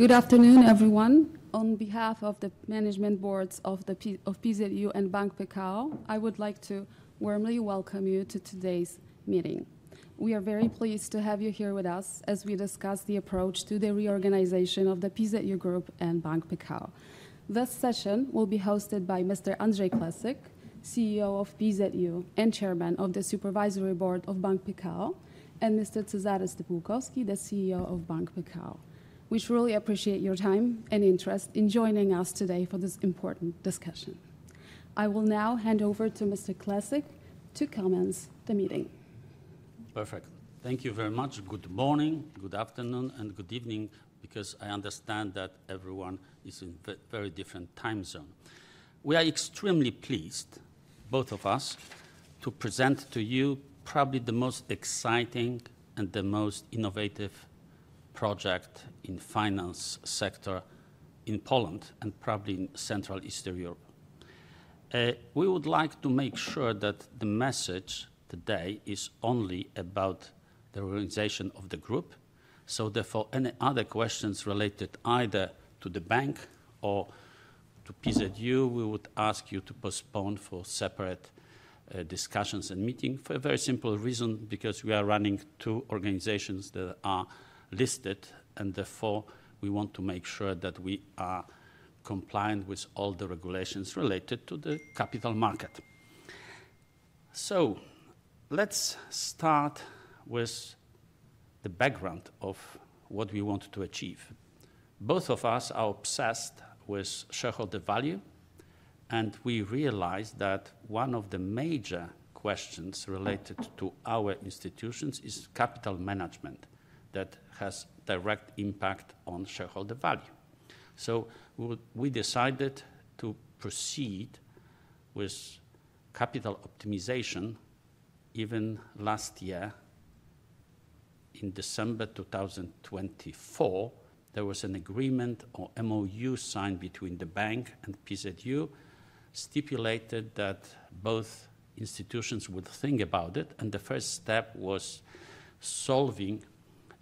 Good afternoon, everyone. On behalf of the management boards of PZU and Bank Pekao, I would like to warmly welcome you to today's meeting. We are very pleased to have you here with us as we discuss the approach to the reorganization of the PZU Group and Bank Pekao. This session will be hosted by Mr. Andrzej Klesyk, CEO of PZU and Chairman of the Supervisory Board of Bank Pekao, and Mr. Cezary Stypułkowski, the CEO of Bank Pekao. We truly appreciate your time and interest in joining us today for this important discussion. I will now hand over to Mr. Klesyk to commence the meeting. Perfect. Thank you very much. Good morning, good afternoon, and good evening, because I understand that everyone is in a very different time zone. We are extremely pleased, both of us, to present to you probably the most exciting and the most innovative project in the finance sector in Poland and probably in Central and Eastern Europe. We would like to make sure that the message today is only about the organization of the group. Therefore, any other questions related either to the bank or to PZU, we would ask you to postpone for separate discussions and meetings for a very simple reason: because we are running two organizations that are listed, and therefore we want to make sure that we are compliant with all the regulations related to the capital market. Let's start with the background of what we want to achieve. Both of us are obsessed with shareholder value, and we realize that one of the major questions related to our institutions is capital management that has a direct impact on shareholder value. We decided to proceed with capital optimization. Even last year, in December 2024, there was an agreement or MoU signed between the bank and PZU stipulated that both institutions would think about it, and the first step was solving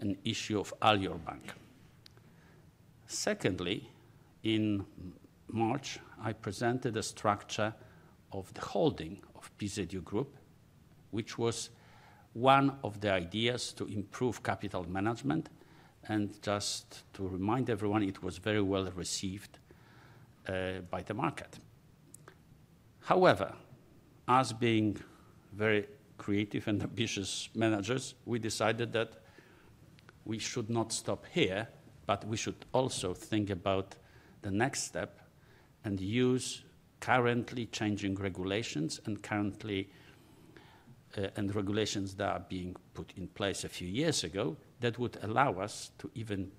an issue of Alior Bank. Secondly, in March, I presented a structure of the holding of PZU Group, which was one of the ideas to improve capital management. Just to remind everyone, it was very well received by the market. However, as being very creative and ambitious managers, we decided that we should not stop here, but we should also think about the next step and use currently changing regulations and regulations that are being put in place a few years ago that would allow us to even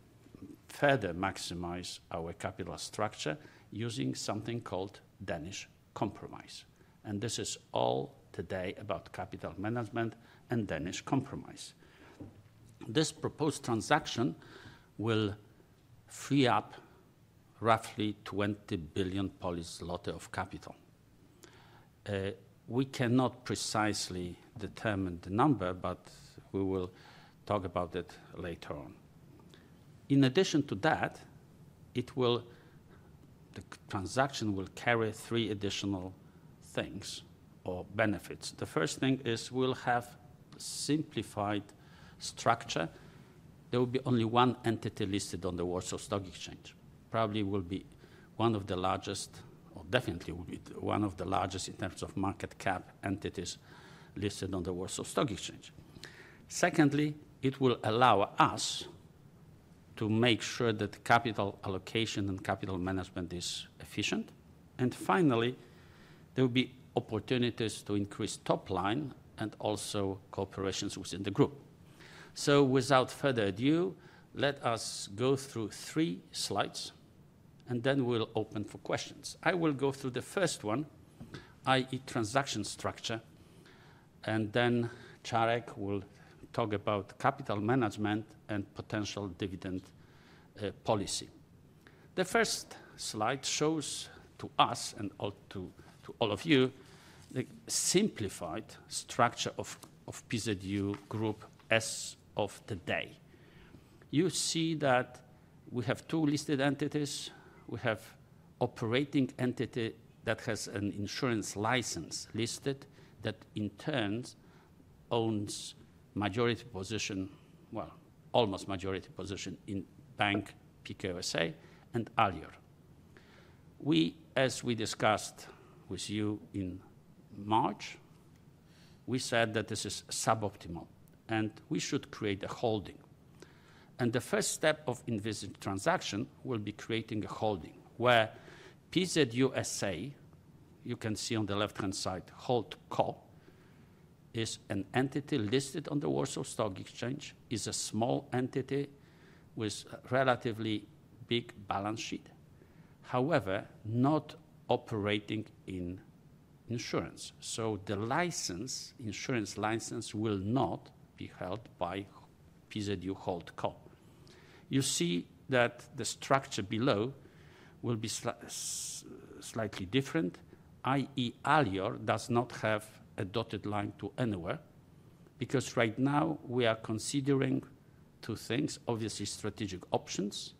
further maximize our capital structure using something called Danish Compromise. This is all today about capital management and Danish Compromise. This proposed transaction will free up roughly 20 billion of capital. We cannot precisely determine the number, but we will talk about it later on. In addition to that, the transaction will carry three additional things or benefits. The first thing is we'll have a simplified structure. There will be only one entity listed on the Warsaw Stock Exchange. Probably will be one of the largest, or definitely will be one of the largest in terms of market cap entities listed on the Warsaw Stock Exchange. Secondly, it will allow us to make sure that capital allocation and capital management is efficient. Finally, there will be opportunities to increase top line and also corporations within the group. Without further ado, let us go through three slides, and then we'll open for questions. I will go through the first one, i.e., transaction structure, and then Czarek will talk about capital management and potential dividend policy. The first slide shows to us and to all of you the simplified structure of PZU Group as of today. You see that we have two listed entities. We have an operating entity that has an insurance license listed that in turn owns majority position, well, almost majority position in Pekao SA and Alior. We, as we discussed with you in March, said that this is suboptimal and we should create a holding. The first step of the transaction will be creating a holding where PZU SA, you can see on the left-hand side holdco, is an entity listed on the Warsaw Stock Exchange, is a small entity with a relatively big balance sheet, however not operating in insurance. The license, insurance license, will not be held by PZU holdco. You see that the structure below will be slightly different, i.e., Alior does not have a dotted line to anywhere because right now we are considering two things, obviously strategic options,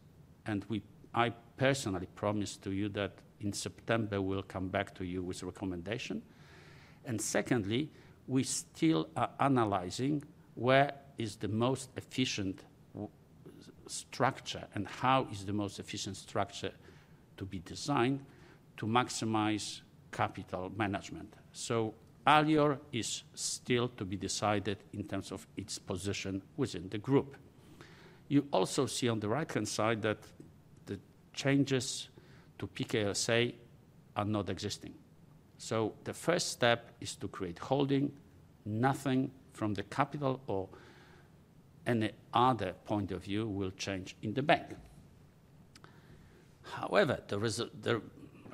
and I personally promised to you that in September we will come back to you with a recommendation. Secondly, we still are analyzing where is the most efficient structure and how is the most efficient structure to be designed to maximize capital management. So Alior is still to be decided in terms of its position within the group. You also see on the right-hand side that the changes to Pekao SA are not existing. The first step is to create holding. Nothing from the capital or any other point of view will change in the bank. However, the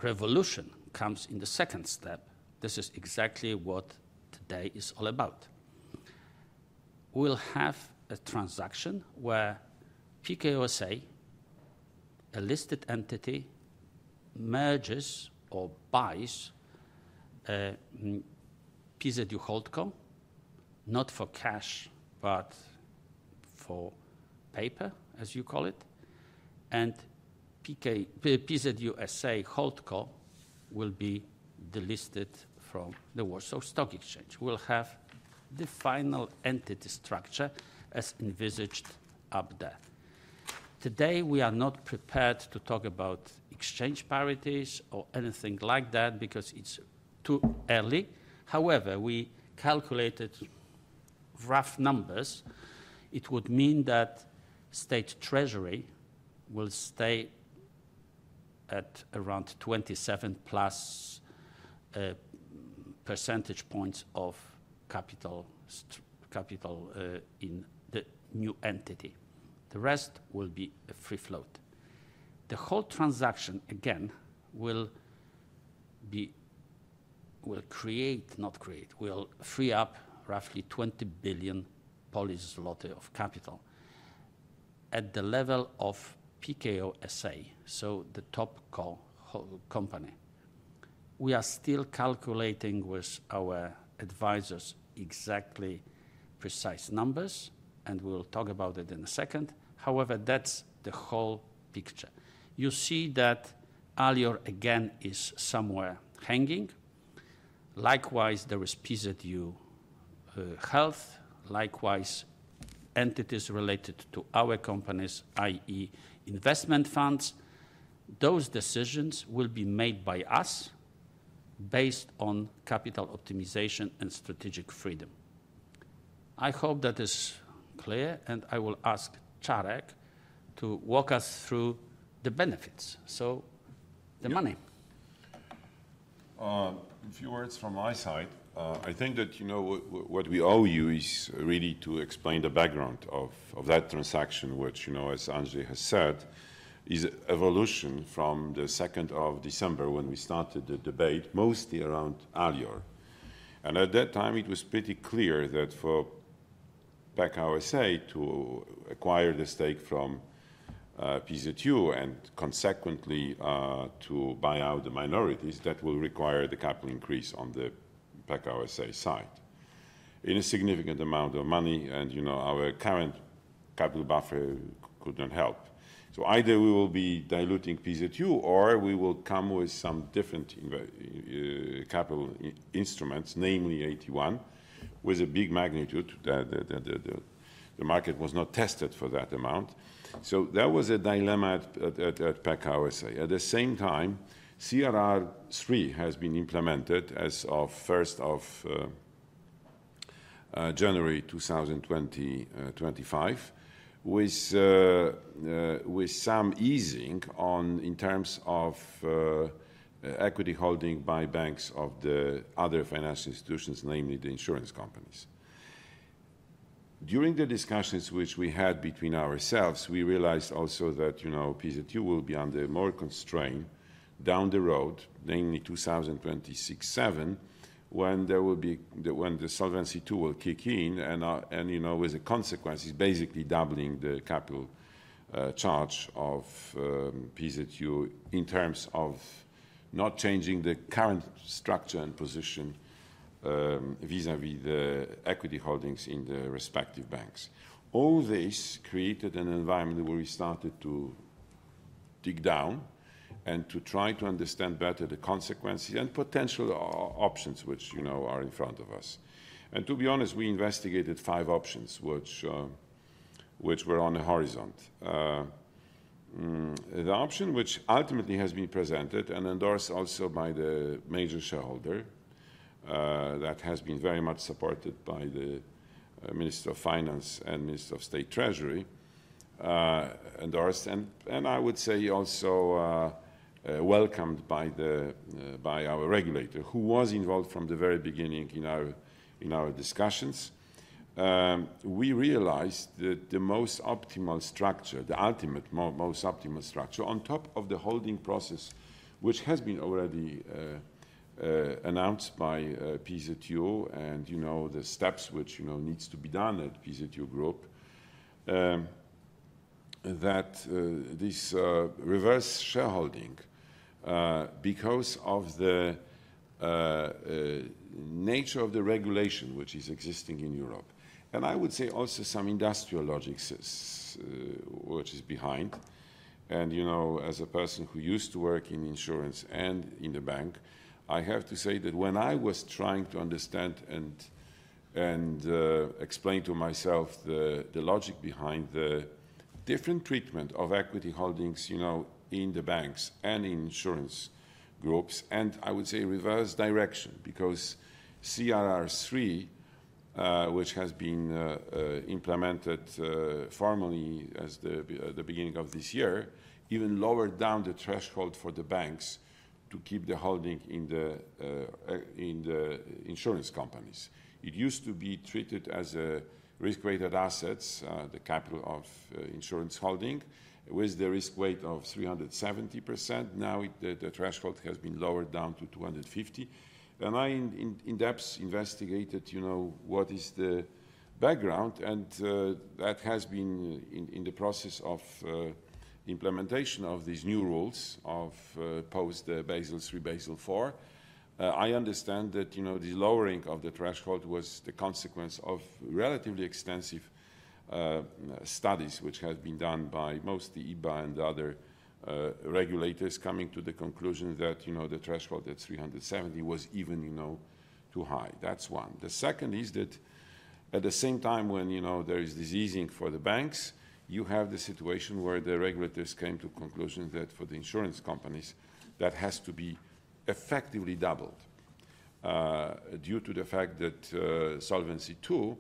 revolution comes in the second step. This is exactly what today is all about. We'll have a transaction where PKO SA, a listed entity, merges or buys PZU holdco, not for cash, but for paper, as you call it, and PZU SA holdco will be delisted from the Warsaw Stock Exchange. We'll have the final entity structure as envisaged up there. Today we are not prepared to talk about exchange parities or anything like that because it's too early. However, we calculated rough numbers. It would mean that state treasury will stay at around 27+ percentage points of capital in the new entity. The rest will be free float. The whole transaction, again, will create, not create, will free up roughly 20 billion Polish zloty of capital at the level of Pekao SA, so the topco company. We are still calculating with our advisors exactly precise numbers, and we'll talk about it in a second. However, that's the whole picture. You see that Alior again is somewhere hanging. Likewise, there is PZU Health. Likewise, entities related to our companies, i.e., investment funds. Those decisions will be made by us based on capital optimization and strategic freedom. I hope that is clear, and I will ask Czarek to walk us through the benefits. So the money. A few words from my side. I think that what we owe you is really to explain the background of that transaction, which, as Andrzej has said, is an evolution from the 2nd of December when we started the debate, mostly around Alior. At that time, it was pretty clear that for Pekao SA to acquire the stake from PZU and consequently to buy out the minorities, that will require the capital increase on the Pekao SA side in a significant amount of money. Our current capital buffer could not help. Either we will be diluting PZU or we will come with some different capital instruments, namely AT1, with a big magnitude. The market was not tested for that amount. That was a dilemma at Pekao SA. At the same time, CRR3 has been implemented as of 1st of January 2025, with some easing in terms of equity holding by banks of the other financial institutions, namely the insurance companies. During the discussions which we had between ourselves, we realized also that PZU will be under more constraint down the road, namely 2026-2027, when the solvency tool will kick in and with the consequences basically doubling the capital charge of PZU in terms of not changing the current structure and position vis-à-vis the equity holdings in the respective banks. All this created an environment where we started to dig down and to try to understand better the consequences and potential options which are in front of us. To be honest, we investigated five options which were on the horizon. The option which ultimately has been presented and endorsed also by the major shareholder, that has been very much supported by the Minister of Finance and Minister of State Treasury, endorsed, and I would say also welcomed by our regulator who was involved from the very beginning in our discussions, we realized that the most optimal structure, the ultimate most optimal structure on top of the holding process which has been already announced by PZU and the steps which need to be done at PZU Group, that this reverse shareholding because of the nature of the regulation which is existing in Europe. I would say also some industrial logics which is behind. As a person who used to work in insurance and in the bank, I have to say that when I was trying to understand and explain to myself the logic behind the different treatment of equity holdings in the banks and in insurance groups, I would say reverse direction, because CRR3, which has been implemented formally at the beginning of this year, even lowered down the threshold for the banks to keep the holding in the insurance companies. It used to be treated as a risk-weighted asset, the capital of insurance holding, with the risk weight of 370%. Now the threshold has been lowered down to 250%. I in depth investigated what is the background, and that has been in the process of implementation of these new rules of post-Basel III, Basel IV. I understand that the lowering of the threshold was the consequence of relatively extensive studies which have been done by mostly IBA and other regulators coming to the conclusion that the threshold at 370 was even too high. That's one. The second is that at the same time when there is this easing for the banks, you have the situation where the regulators came to the conclusion that for the insurance companies that has to be effectively doubled due to the fact that Solvency II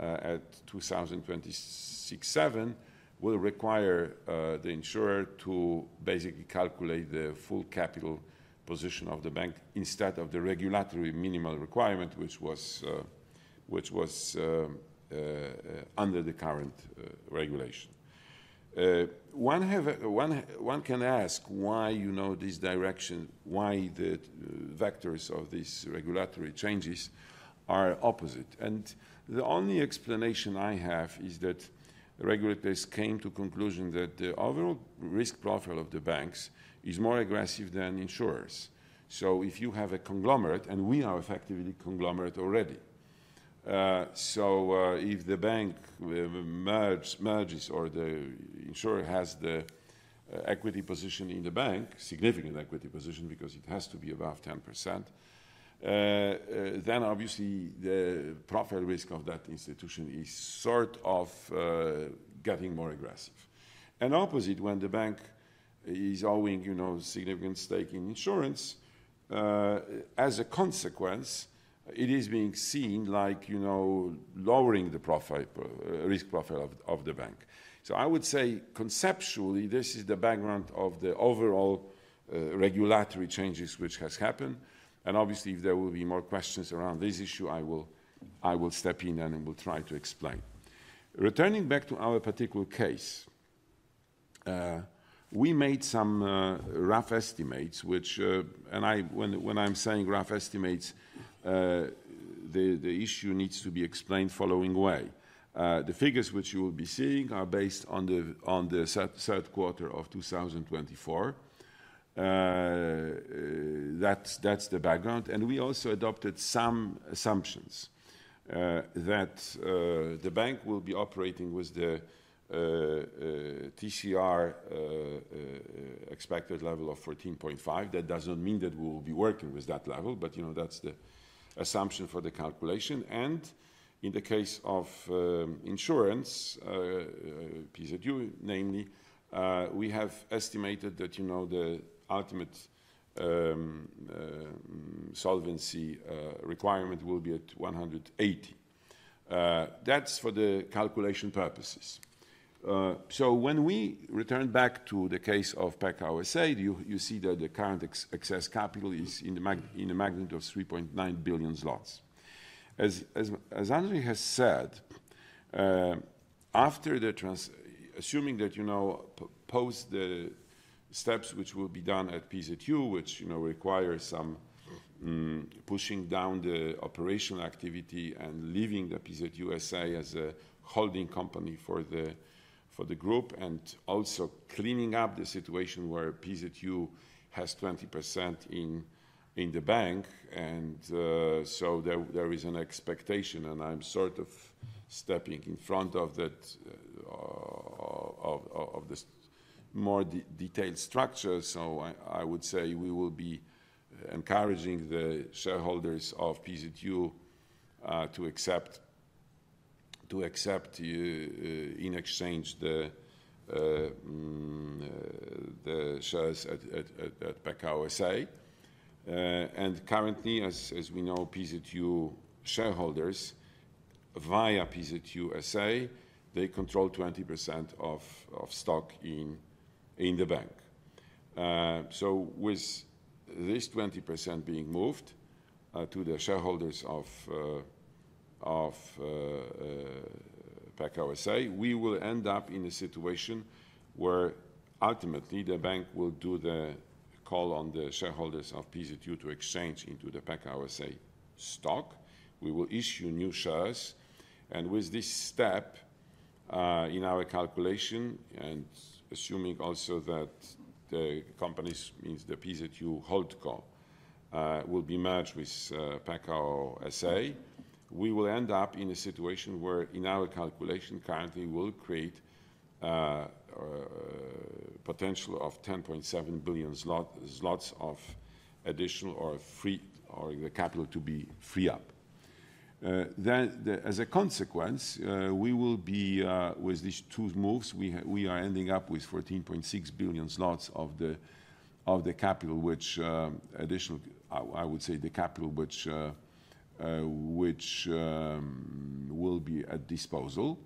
at 2026-2027 will require the insurer to basically calculate the full capital position of the bank instead of the regulatory minimal requirement which was under the current regulation. One can ask why this direction, why the vectors of these regulatory changes are opposite. The only explanation I have is that regulators came to the conclusion that the overall risk profile of the banks is more aggressive than insurers. If you have a conglomerate, and we are effectively a conglomerate already, if the bank merges or the insurer has the equity position in the bank, significant equity position because it has to be above 10%, then obviously the risk profile of that institution is sort of getting more aggressive. Opposite, when the bank is owning a significant stake in insurance, as a consequence, it is being seen like lowering the risk profile of the bank. I would say conceptually this is the background of the overall regulatory changes which has happened. Obviously if there will be more questions around this issue, I will step in and will try to explain. Returning back to our particular case, we made some rough estimates which, and when I'm saying rough estimates, the issue needs to be explained the following way. The figures which you will be seeing are based on the third quarter of 2024. That's the background. We also adopted some assumptions that the bank will be operating with the TCR expected level of 14.5%. That doesn't mean that we will be working with that level, but that's the assumption for the calculation. In the case of insurance, PZU namely, we have estimated that the ultimate solvency requirement will be at 180%. That's for the calculation purposes. When we return back to the case of Pekao, you see that the current excess capital is in the magnitude of 3.9 billion zlotys. As Andrzej has said, assuming that post the steps which will be done at PZU, which require some pushing down the operational activity and leaving the PZU SA as a holding company for the group and also cleaning up the situation where PZU has 20% in the bank, there is an expectation, and I'm sort of stepping in front of that of the more detailed structure. I would say we will be encouraging the shareholders of PZU to accept in exchange the shares at Pekao SA. Currently, as we know, PZU shareholders via PZU SA, they control 20% of stock in the bank. With this 20% being moved to the shareholders of Pekao SA, we will end up in a situation where ultimately the bank will do the call on the shareholders of PZU to exchange into the Pekao SA stock. We will issue new shares. With this step in our calculation, and assuming also that the companies, means the PZU hold call, will be merged with Pekao SA, we will end up in a situation where in our calculation currently will create a potential of 10.7 billion zloty of additional or the capital to be freed up. As a consequence, with these two moves, we are ending up with 14.6 billion zlotys of the capital, which additional, I would say the capital which will be at disposal.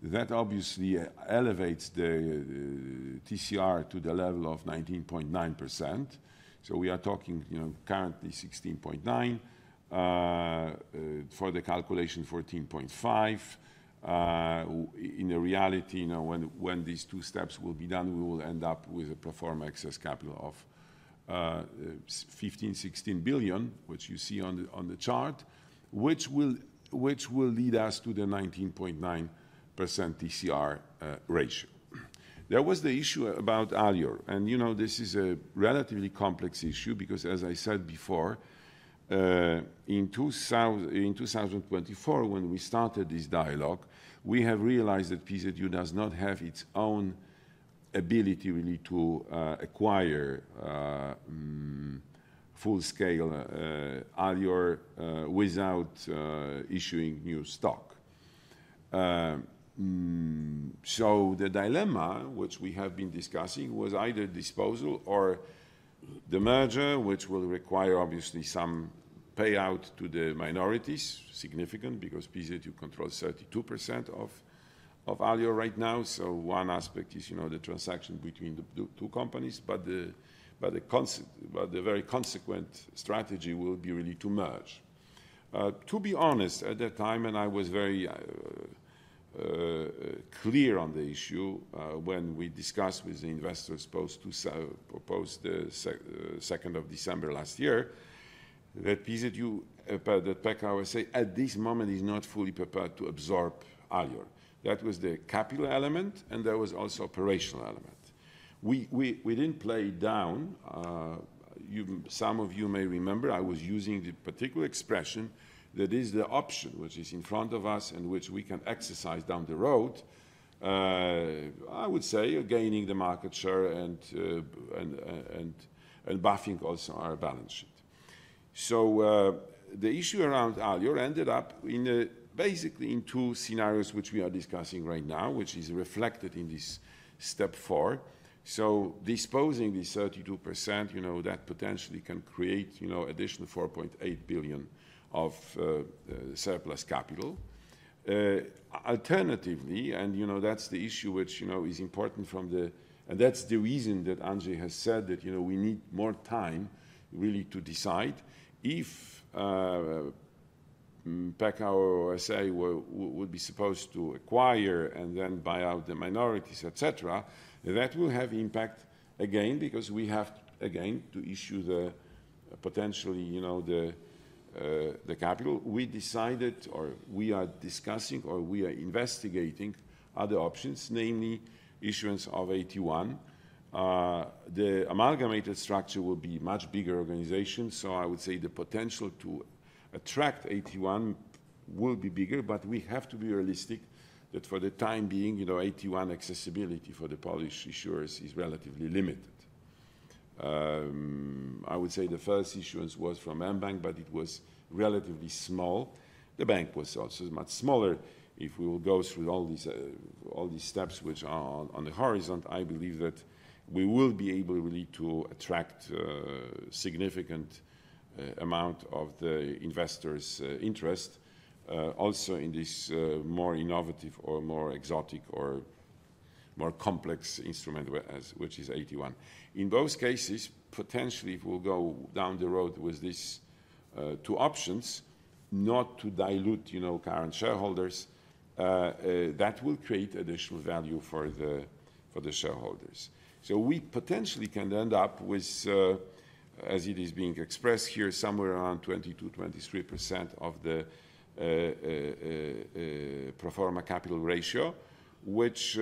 That obviously elevates the TCR to the level of 19.9%. We are talking currently 16.9%. For the calculation, 14.5%. In reality, when these two steps will be done, we will end up with a proforma excess capital of 15 billion-16 billion, which you see on the chart, which will lead us to the 19.9% TCR ratio. There was the issue about Alior. This is a relatively complex issue because, as I said before, in 2024, when we started this dialogue, we realized that PZU does not have its own ability really to acquire full-scale Alior without issuing new stock. The dilemma which we have been discussing was either disposal or the merger, which will require obviously some payout to the minorities, significant because PZU controls 32% of Alior right now. One aspect is the transaction between the two companies, but the very consequent strategy will be really to merge. To be honest, at that time, and I was very clear on the issue when we discussed with the investors post-2nd of December last year, that PZU, that Pekao SA at this moment is not fully prepared to absorb Alior. That was the capital element, and there was also operational element. We did not play down. Some of you may remember I was using the particular expression that is the option which is in front of us and which we can exercise down the road, I would say, gaining the market share and buffing also our balance sheet. The issue around Alior ended up basically in two scenarios which we are discussing right now, which is reflected in this step four. Disposing this 32% potentially can create additional 4.8 billion of surplus capital. Alternatively, and that is the issue which is important from the, and that is the reason that Andrzej has said that we need more time really to decide if Pekao SA would be supposed to acquire and then buy out the minorities, et cetera, that will have impact again because we have again to issue potentially the capital. We decided or we are discussing or we are investigating other options, namely issuance of AT1. The amalgamated structure will be a much bigger organization. I would say the potential to attract AT1 will be bigger, but we have to be realistic that for the time being, AT1 accessibility for the Polish issuers is relatively limited. I would say the first issuance was from Alior Bank, but it was relatively small. The bank was also much smaller. If we will go through all these steps which are on the horizon, I believe that we will be able really to attract a significant amount of the investors' interest also in this more innovative or more exotic or more complex instrument which is AT1. In both cases, potentially we'll go down the road with these two options not to dilute current shareholders. That will create additional value for the shareholders. We potentially can end up with, as it is being expressed here, somewhere around 22%-23% of the proforma capital ratio, which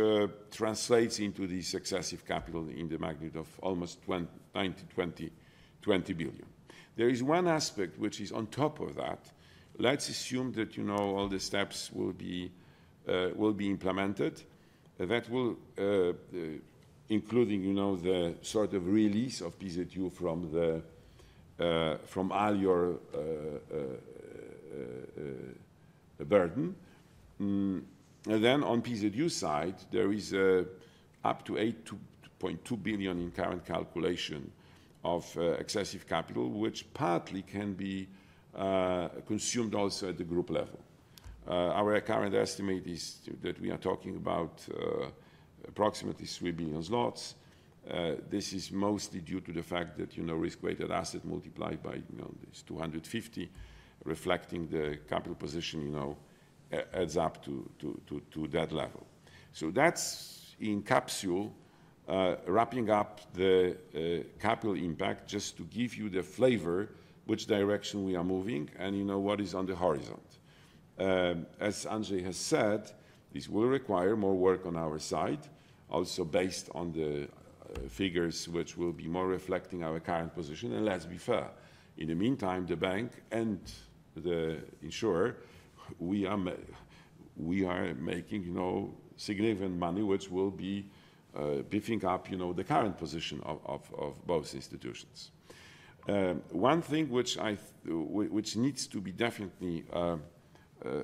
translates into the successive capital in the magnitude of almost 20 billion. There is one aspect which is on top of that. Let's assume that all the steps will be implemented. That will include the sort of release of PZU from Alior burden. Then on PZU side, there is up to 8.2 billion in current calculation of excessive capital, which partly can be consumed also at the group level. Our current estimate is that we are talking about approximately 3 billion zlotys loss. This is mostly due to the fact that risk-weighted asset multiplied by this 250, reflecting the capital position, adds up to that level. That's in capsule, wrapping up the capital impact just to give you the flavor which direction we are moving and what is on the horizon. As Andrzej has said, this will require more work on our side, also based on the figures which will be more reflecting our current position. Let's be fair, in the meantime, the bank and the insurer, we are making significant money which will be beefing up the current position of both institutions. One thing which needs to be definitely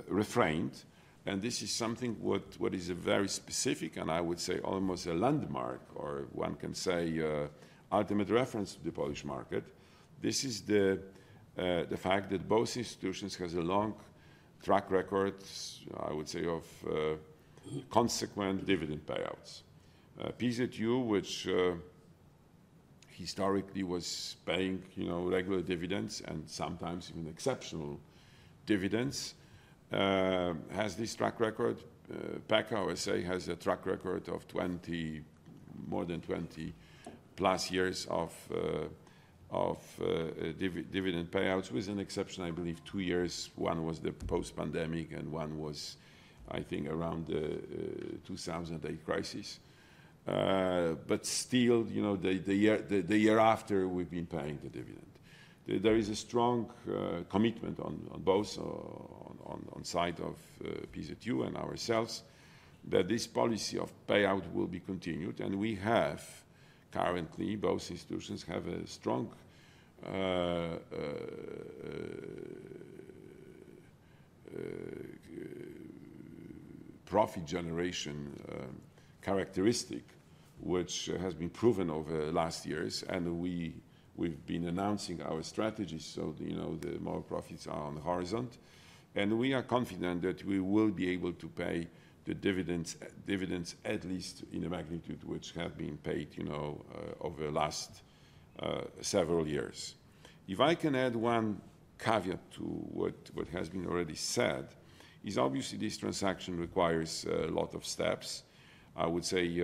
refrained, and this is something what is very specific and I would say almost a landmark or one can say ultimate reference to the Polish market, this is the fact that both institutions have a long track record, I would say, of consequent dividend payouts. PZU, which historically was paying regular dividends and sometimes even exceptional dividends, has this track record. Pekao SA has a track record of more than 20 plus years of dividend payouts with an exception, I believe, two years. One was the post-pandemic and one was, I think, around the 2008 crisis. The year after, we have been paying the dividend. There is a strong commitment on both on the side of PZU and ourselves that this policy of payout will be continued. We have currently, both institutions have a strong profit generation characteristic which has been proven over the last years. We have been announcing our strategy. The more profits are on the horizon. We are confident that we will be able to pay the dividends at least in the magnitude which have been paid over the last several years. If I can add one caveat to what has been already said, is obviously this transaction requires a lot of steps. I would say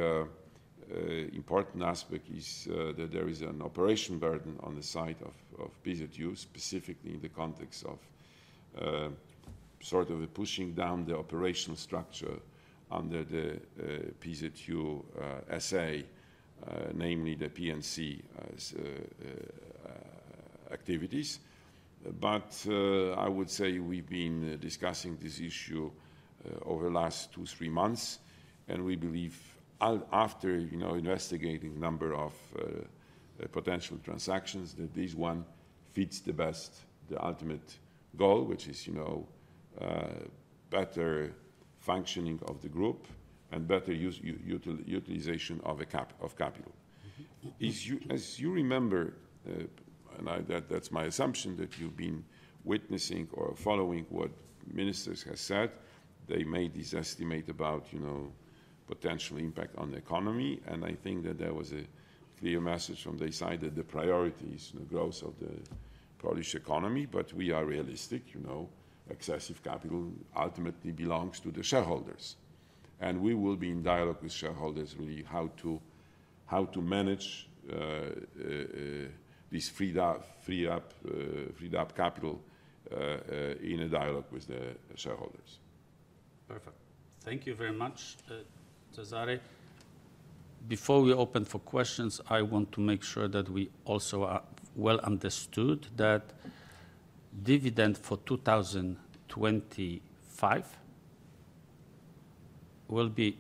important aspect is that there is an operation burden on the side of PZU, specifically in the context of sort of pushing down the operational structure under the PZU SA, namely the PNC activities. I would say we've been discussing this issue over the last two, three months. We believe after investigating a number of potential transactions, that this one fits the best, the ultimate goal, which is better functioning of the group and better utilization of capital. As you remember, and that's my assumption that you've been witnessing or following what ministers have said, they made this estimate about potential impact on the economy. I think that there was a clear message from their side that the priority is the growth of the Polish economy, but we are realistic. Excessive capital ultimately belongs to the shareholders. We will be in dialogue with shareholders really how to manage this free-up capital in a dialogue with the shareholders. Perfect. Thank you very much, Cezary. Before we open for questions, I want to make sure that we also are well understood that dividend for 2025 will be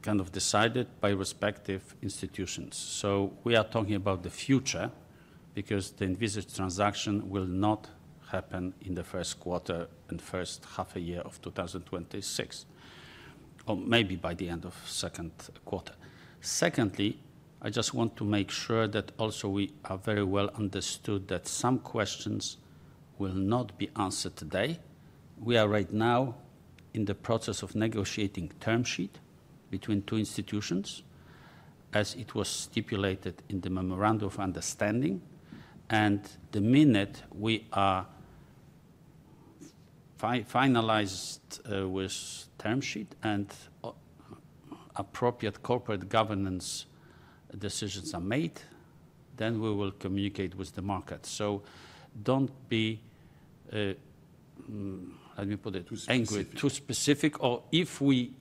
kind of decided by respective institutions. We are talking about the future because the envisaged transaction will not happen in the first quarter and first half a year of 2026, or maybe by the end of second quarter. Secondly, I just want to make sure that also we are very well understood that some questions will not be answered today. We are right now in the process of negotiating term sheet between two institutions, as it was stipulated in the memorandum of understanding. The minute we are finalized with term sheet and appropriate corporate governance decisions are made, we will communicate with the market. Do not be, let me put it, angry. Too specific. Too specific. Or if we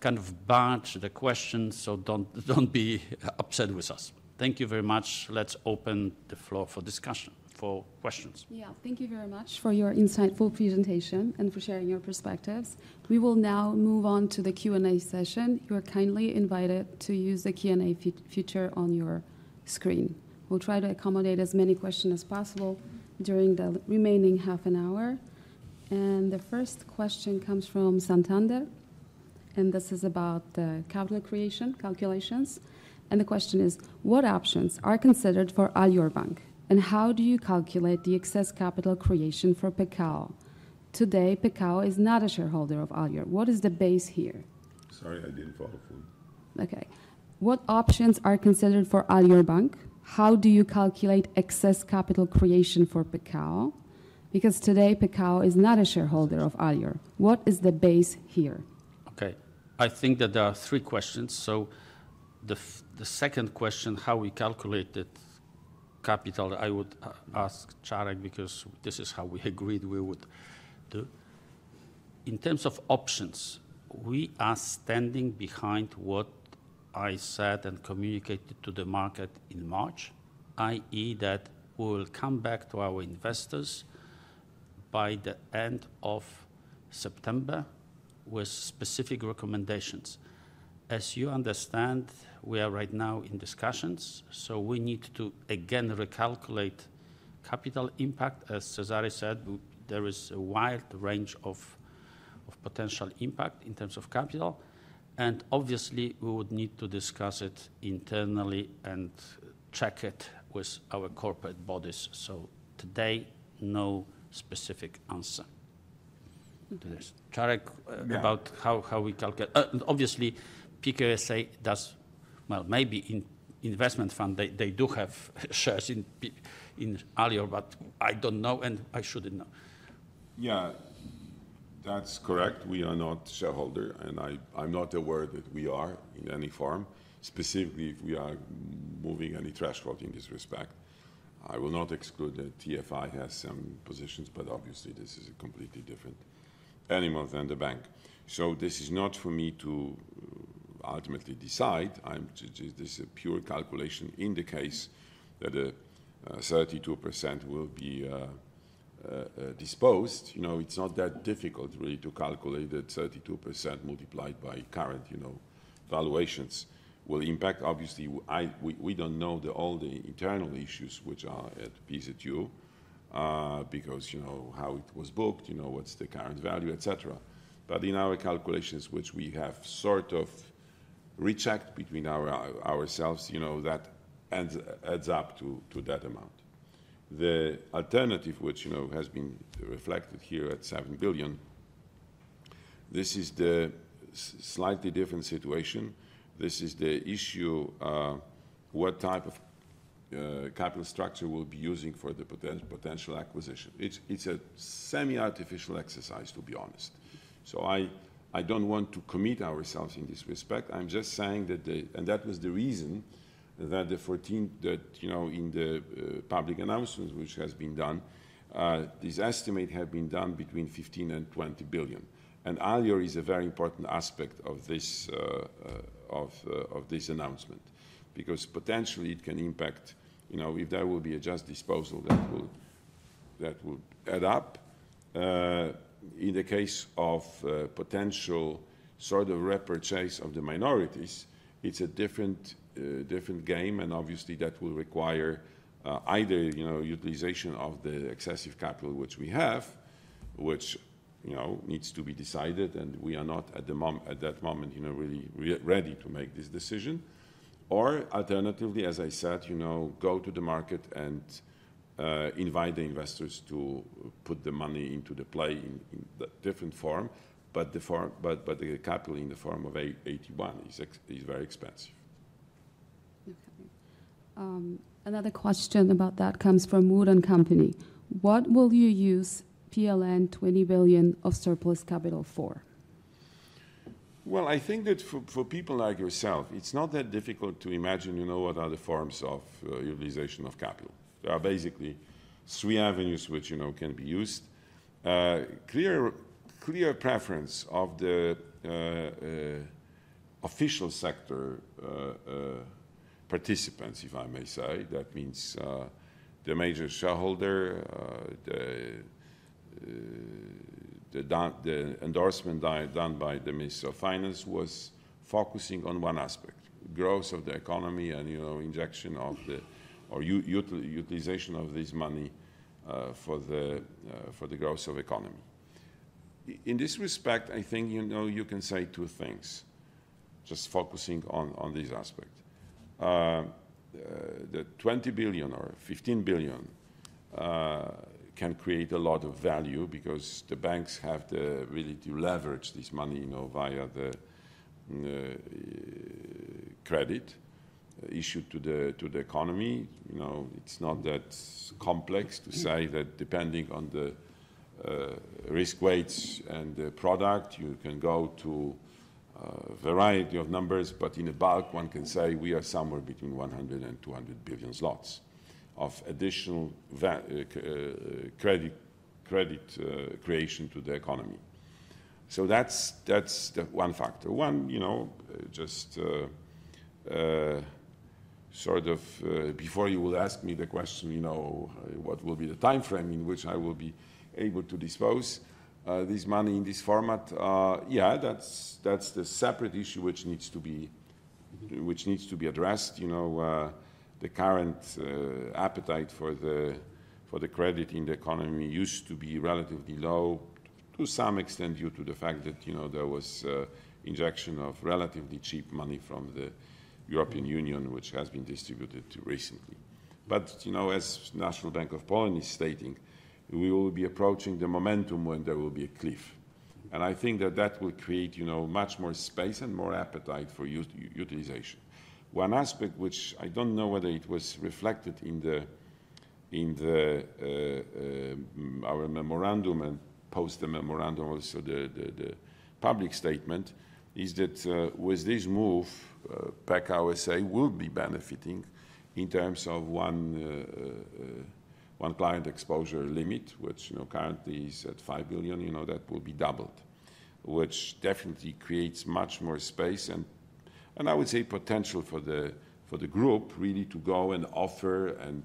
kind of barge the questions, do not be upset with us. Thank you very much. Let's open the floor for discussion, for questions. Yeah. Thank you very much for your insightful presentation and for sharing your perspectives. We will now move on to the Q&A session. You are kindly invited to use the Q&A feature on your screen. We'll try to accommodate as many questions as possible during the remaining half an hour. The first question comes from Santander. This is about capital creation calculations. The question is, what options are considered for Alior Bank? And how do you calculate the excess capital creation for Pekao? Today, Pekao is not a shareholder of Alior. What is the base here? Sorry, I did not follow through. Okay. What options are considered for Alior Bank? How do you calculate excess capital creation for Pekao? Because today, Pekao is not a shareholder of Alior. What is the base here? Okay. I think that there are three questions. The second question, how we calculate the capital, I would ask Czarek because this is how we agreed we would do. In terms of options, we are standing behind what I said and communicated to the market in March, i.e., that we will come back to our investors by the end of September with specific recommendations. As you understand, we are right now in discussions. We need to again recalculate capital impact. As Cezary said, there is a wide range of potential impact in terms of capital. Obviously, we would need to discuss it internally and check it with our corporate bodies. Today, no specific answer to this. Czarek, about how we calculate. Obviously, Pekao SA does, maybe investment fund, they do have shares in Alior, but I do not know and I should not know. Yeah, that is correct. We are not shareholder. I am not aware that we are in any form, specifically if we are moving any threshold in this respect. I will not exclude that TFI has some positions, but obviously, this is a completely different animal than the bank. This is not for me to ultimately decide. This is a pure calculation in the case that 32% will be disposed. It is not that difficult really to calculate that 32% multiplied by current valuations will impact. Obviously, we don't know all the internal issues which are at PZU because how it was booked, what's the current value, et cetera. In our calculations, which we have sort of rechecked between ourselves, that adds up to that amount. The alternative, which has been reflected here at 7 billion, this is the slightly different situation. This is the issue what type of capital structure we'll be using for the potential acquisition. It's a semi-artificial exercise, to be honest. I don't want to commit ourselves in this respect. I'm just saying that, and that was the reason that the 14 billion, that in the public announcement, which has been done, this estimate had been done between 15 billion and 20 billion. Alior is a very important aspect of this announcement because potentially it can impact if there will be a just disposal that will add up. In the case of potential sort of repurchase of the minorities, it's a different game. Obviously, that will require either utilization of the excessive capital, which we have, which needs to be decided, and we are not at that moment really ready to make this decision. Alternatively, as I said, go to the market and invite the investors to put the money into the play in a different form. The capital in the form of AT1 is very expensive. Okay. Another question about that comes from Wood & Company. What will you use PLN 20 billion of surplus capital for? I think that for people like yourself, it's not that difficult to imagine what are the forms of utilization of capital. There are basically three avenues which can be used. Clear preference of the official sector participants, if I may say, that means the major shareholder, the endorsement done by the Minister of Finance was focusing on one aspect, growth of the economy and injection of the or utilization of this money for the growth of the economy. In this respect, I think you can say two things, just focusing on this aspect. The 20 billion or 15 billion can create a lot of value because the banks have the ability to leverage this money via the credit issued to the economy. It's not that complex to say that depending on the risk weights and the product, you can go to a variety of numbers. In bulk, one can say we are somewhere between 100 billion-200 billion zlotys lots of additional credit creation to the economy. That's one factor. One, just sort of before you will ask me the question, what will be the timeframe in which I will be able to dispose this money in this format? Yeah, that's the separate issue which needs to be addressed. The current appetite for the credit in the economy used to be relatively low to some extent due to the fact that there was injection of relatively cheap money from the European Union, which has been distributed recently. As National Bank of Poland is stating, we will be approaching the momentum when there will be a cliff. I think that that will create much more space and more appetite for utilization. One aspect which I don't know whether it was reflected in our memorandum and post the memorandum, also the public statement, is that with this move, Pekao SA will be benefiting in terms of one client exposure limit, which currently is at 5 billion. That will be doubled, which definitely creates much more space. I would say potential for the group really to go and offer and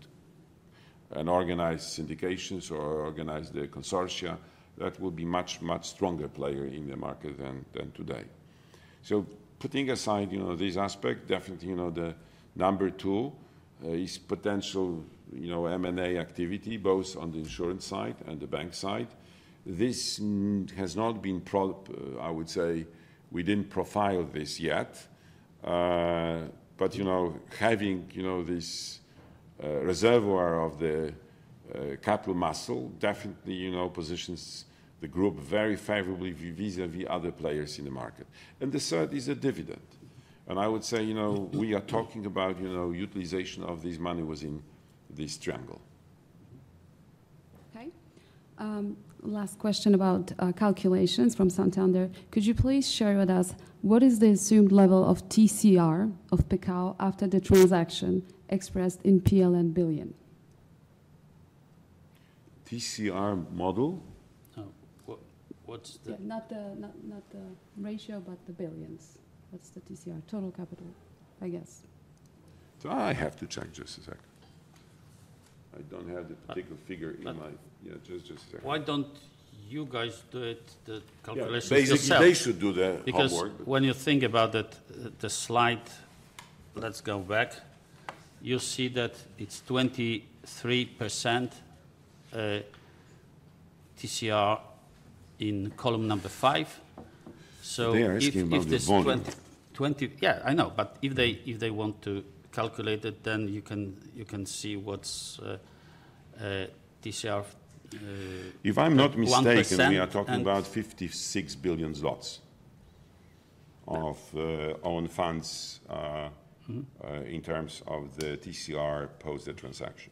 organize syndications or organize the consortia. That will be a much, much stronger player in the market than today. Putting aside this aspect, definitely the number two is potential M&A activity, both on the insurance side and the bank side. This has not been, I would say, we didn't profile this yet. Having this reservoir of the capital muscle definitely positions the group very favorably vis-à-vis other players in the market. The third is the dividend. I would say we are talking about utilization of this money was in this triangle. Okay. Last question about calculations from Santander. Could you please share with us what is the assumed level of TCR of Pekao after the transaction expressed in PLN billion? TCR model? What's the? Yeah, not the ratio, but the billions. What's the TCR, total capital, I guess? I have to check just a sec. I don't have the particular figure in my. Yeah, just a sec. Why don't you guys do it, the calculations? They should do the homework. Because when you think about the slide, let's go back, you'll see that it's 23% TCR in column number five. If this is 20. Yeah, I know. If they want to calculate it, then you can see what's TCR. If I'm not mistaken, we are talking about 56 billion zlotys lots of own funds in terms of the TCR post the transaction.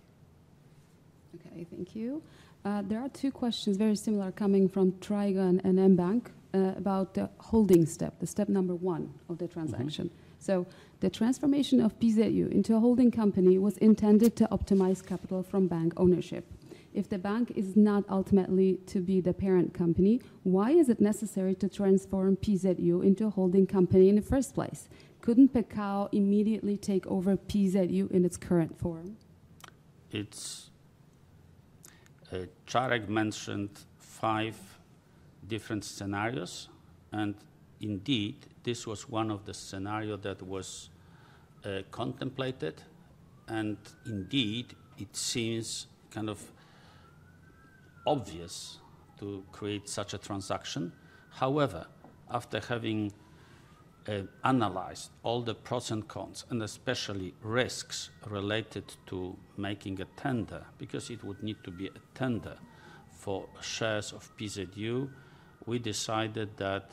Okay. Thank you. There are two questions very similar coming from Trigon and mBank about the holding step, the step number one of the transaction. The transformation of PZU into a holding company was intended to optimize capital from bank ownership. If the bank is not ultimately to be the parent company, why is it necessary to transform PZU into a holding company in the first place? Couldn't Pekao immediately take over PZU in its current form? Czarek mentioned five different scenarios. Indeed, this was one of the scenarios that was contemplated. Indeed, it seems kind of obvious to create such a transaction. However, after having analyzed all the pros and cons, and especially risks related to making a tender, because it would need to be a tender for shares of PZU, we decided that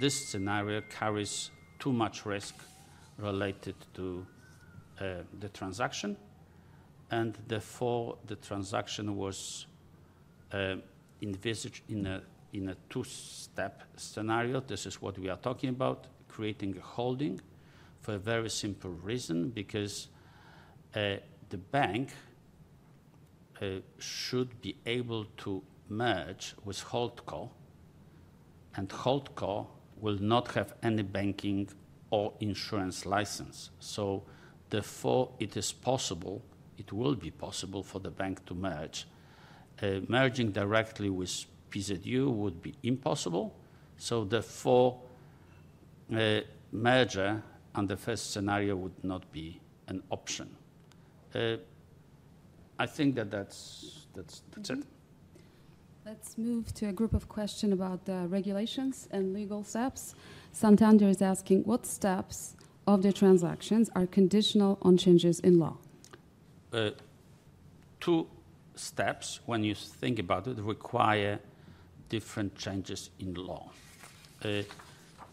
this scenario carries too much risk related to the transaction. Therefore, the transaction was envisaged in a two-step scenario. This is what we are talking about, creating a holding for a very simple reason, because the bank should be able to merge with Holdco. Holdco will not have any banking or insurance license. Therefore, it is possible, it will be possible for the bank to merge. Merging directly with PZU would be impossible. Therefore, merger under first scenario would not be an option. I think that that's it. Let's move to a group of questions about the regulations and legal steps. Santander is asking what steps of the transactions are conditional on changes in law? Two steps, when you think about it, require different changes in law.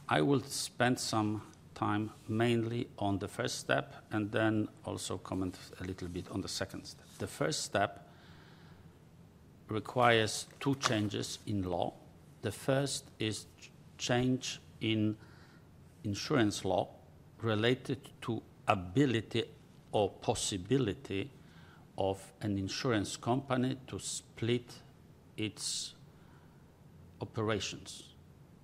I will spend some time mainly on the first step and then also comment a little bit on the second step. The first step requires two changes in law. The first is change in insurance law related to ability or possibility of an insurance company to split its operations.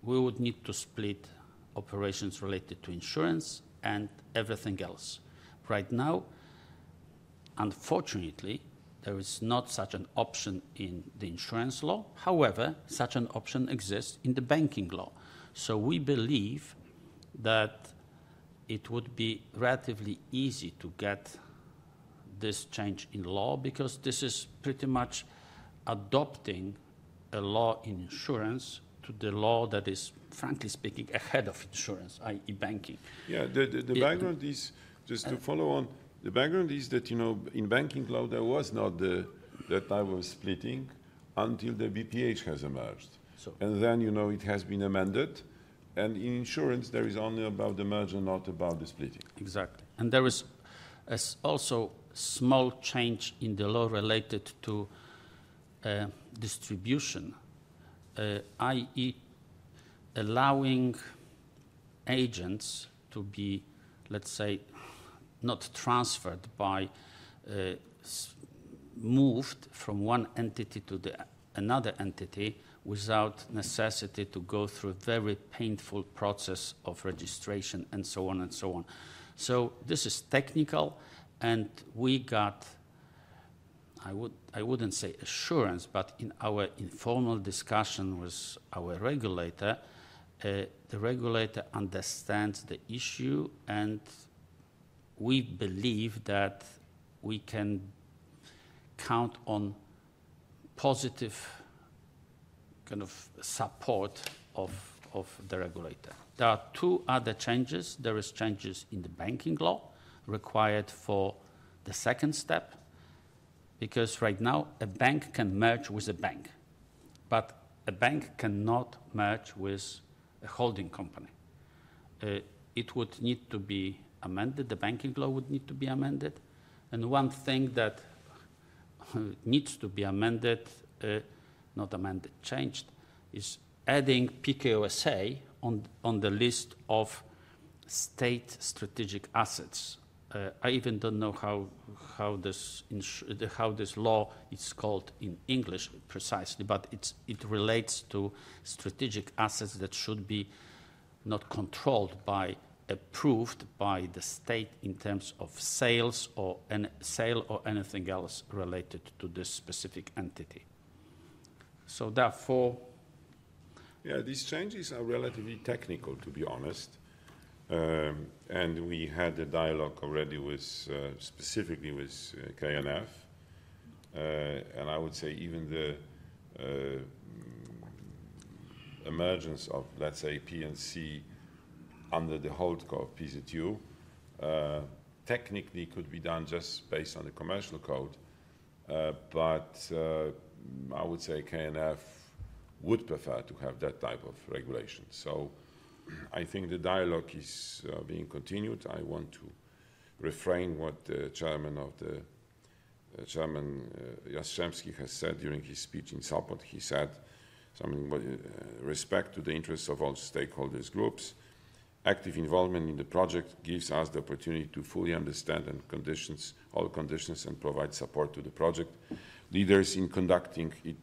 We would need to split operations related to insurance and everything else. Right now, unfortunately, there is not such an option in the insurance law. However, such an option exists in the banking law. We believe that it would be relatively easy to get this change in law because this is pretty much adopting a law in insurance to the law that is, frankly speaking, ahead of insurance, i.e., banking. Yeah, the background is, just to follow on, the background is that in banking law, there was not the, that I was splitting until the BPH has emerged. Then it has been amended. In insurance, there is only about the merge and not about the splitting. Exactly. There was also a small change in the law related to distribution, i.e., allowing agents to be, let's say, not transferred but moved from one entity to another entity without necessity to go through a very painful process of registration and so on and so on. This is technical. We got, I wouldn't say assurance, but in our informal discussion with our regulator, the regulator understands the issue. We believe that we can count on positive kind of support of the regulator. There are two other changes. There are changes in the banking law required for the second step because right now, a bank can merge with a bank. A bank cannot merge with a holding company. It would need to be amended. The banking law would need to be amended. One thing that needs to be amended, not amended, changed is adding Bank Pekao S.A. on the list of state strategic assets. I even do not know how this law is called in English precisely, but it relates to strategic assets that should be not controlled by, approved by the state in terms of sales or anything else related to this specific entity. Therefore, these changes are relatively technical, to be honest. We had a dialogue already specifically with KNF. I would say even the emergence of, let's say, P&C under the Holdco of PZU technically could be done just based on the commercial code. I would say KNF would prefer to have that type of regulation. I think the dialogue is being continued. I want to refrain what the Chairman Jastrzębski has said during his speech in Sopot. He said, "Something with respect to the interests of all stakeholders' groups, active involvement in the project gives us the opportunity to fully understand all conditions and provide support to the project leaders in conducting it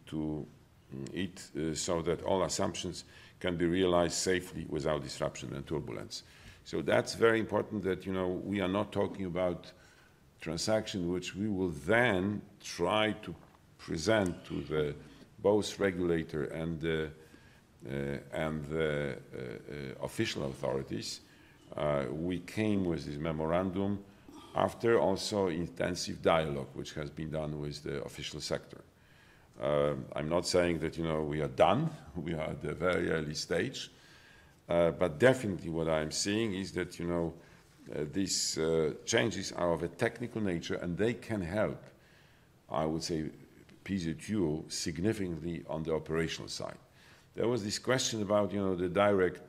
so that all assumptions can be realized safely without disruption and turbulence." That is very important that we are not talking about transaction which we will then try to present to both regulator and the official authorities. We came with this memorandum after also intensive dialogue which has been done with the official sector. I'm not saying that we are done. We are at the very early stage. Definitely, what I'm seeing is that these changes are of a technical nature, and they can help, I would say, PZU significantly on the operational side. There was this question about the direct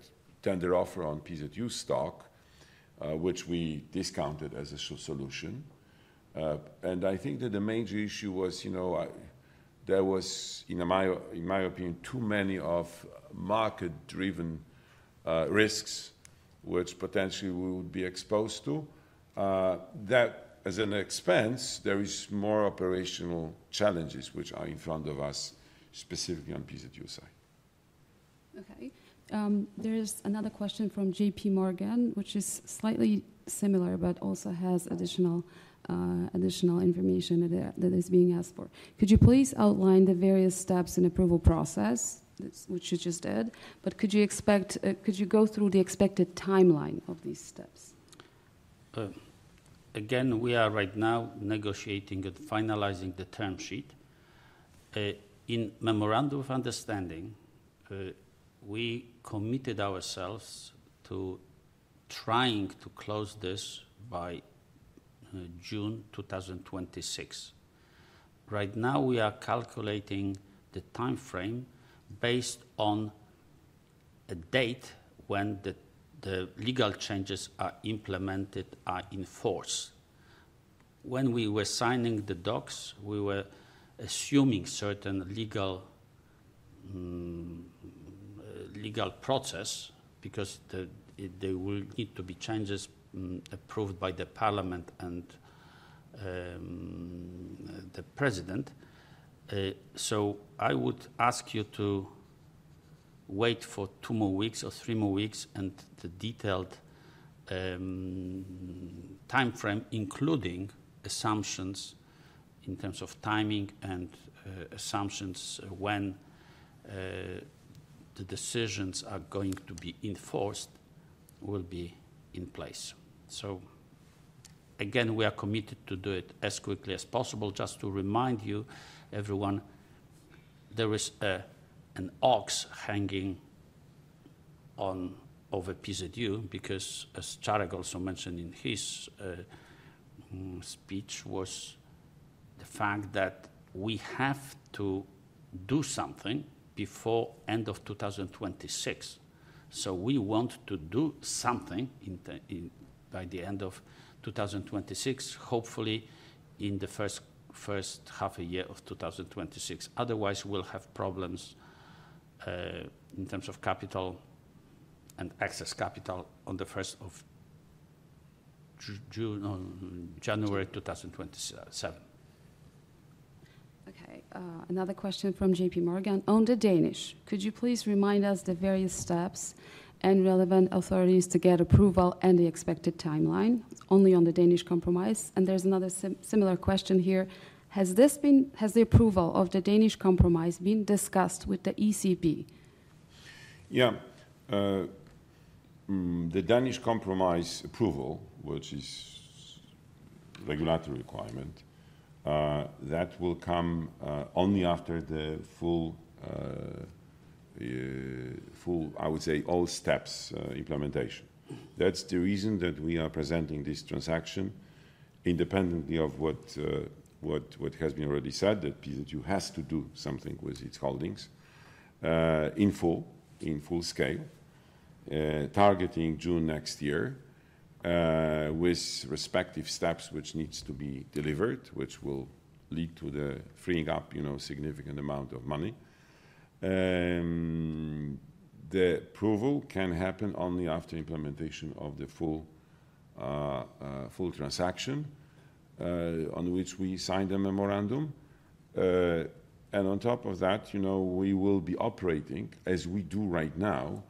tender offer on PZU stock, which we discounted as a solution. I think that the major issue was there was, in my opinion, too many market-driven risks which potentially we would be exposed to. That as an expense, there are more operational challenges which are in front of us specifically on PZU side. Okay. There is another question from JPMorgan, which is slightly similar but also has additional information that is being asked for. Could you please outline the various steps in the approval process, which you just did? Could you go through the expected timeline of these steps? Again, we are right now negotiating and finalizing the term sheet. In memorandum of understanding, we committed ourselves to trying to close this by June 2026. Right now, we are calculating the timeframe based on a date when the legal changes are implemented, are in force. When we were signing the docs, we were assuming certain legal process because there will need to be changes approved by the parliament and the president. I would ask you to wait for two more weeks or three more weeks and the detailed timeframe, including assumptions in terms of timing and assumptions when the decisions are going to be enforced, will be in place. Again, we are committed to do it as quickly as possible. Just to remind you, everyone, there is an axe hanging over PZU because, as Czarek also mentioned in his speech, was the fact that we have to do something before the end of 2026. We want to do something by the end of 2026, hopefully in the first half a year of 2026. Otherwise, we'll have problems in terms of capital and excess capital on the 1st of January 2027. Okay. Another question from JPMorgan on the Danish. Could you please remind us the various steps and relevant authorities to get approval and the expected timeline? Only on the Danish compromise. There is another similar question here. Has the approval of the Danish compromise been discussed with the ECB? Yeah. The Danish compromise approval, which is a regulatory requirement, that will come only after the full, I would say, all steps implementation. That's the reason that we are presenting this transaction independently of what has been already said, that PZU has to do something with its holdings in full scale, targeting June next year with respective steps which need to be delivered, which will lead to the freeing up a significant amount of money. The approval can happen only after implementation of the full transaction on which we signed a memorandum. On top of that, we will be operating, as we do right now,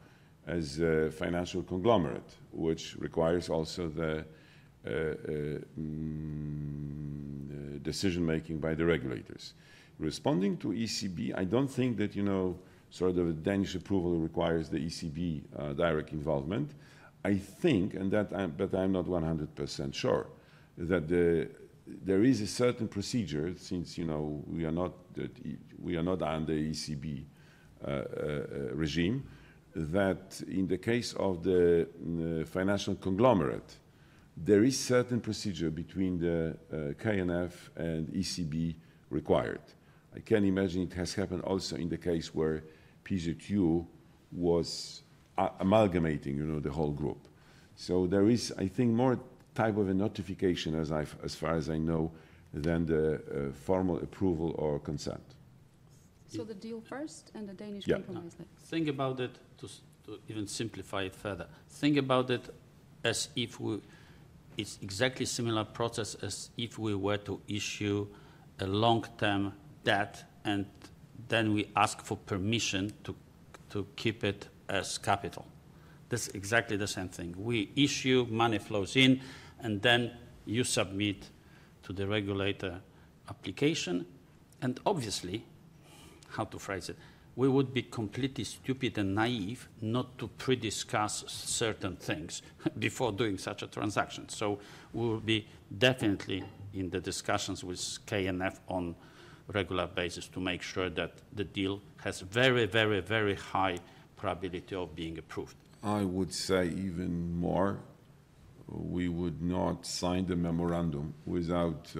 as a financial conglomerate, which requires also the decision-making by the regulators. Responding to ECB, I don't think that sort of a Danish approval requires the ECB direct involvement. I think, but I'm not 100% sure, that there is a certain procedure since we are not under ECB regime, that in the case of the financial conglomerate, there is certain procedure between the KNF and ECB required. I can imagine it has happened also in the case where PZU was amalgamating the whole group. There is, I think, more type of a notification, as far as I know, than the formal approval or consent. The deal first and the Danish Compromise later. Yeah. Think about it to even simplify it further. Think about it as if it's exactly a similar process as if we were to issue a long-term debt and then we ask for permission to keep it as capital. That's exactly the same thing. We issue, money flows in, and then you submit to the regulator application. Obviously, how to phrase it, we would be completely stupid and naive not to prediscuss certain things before doing such a transaction. We will be definitely in the discussions with KNF on a regular basis to make sure that the deal has very, very, very high probability of being approved. I would say even more, we would not sign the memorandum without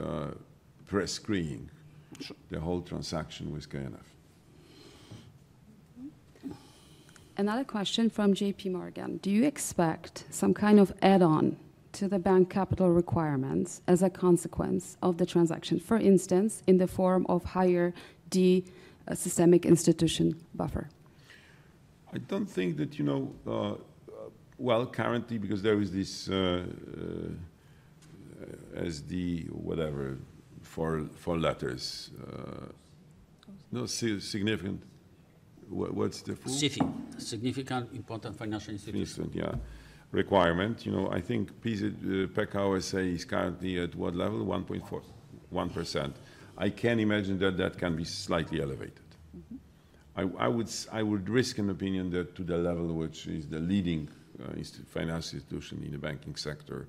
pre-screening the whole transaction with KNF. Another question from JPMorgan. Do you expect some kind of add-on to the bank capital requirements as a consequence of the transaction, for instance, in the form of higher D-Systemic Institution Buffer? I do not think that, currently, because there is this SIFI, whatever, four letters. Significant. What is the full? SIFI. Significant, Important Financial Institution. Significant, yeah. Requirement. I think Pekao SA is currently at what level? 1.4, 1%. I can imagine that that can be slightly elevated. I would risk an opinion that to the level which is the leading financial institution in the banking sector